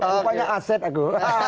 rupanya aset aku